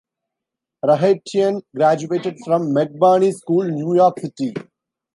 Rohatyn graduated from McBurney School, New York City.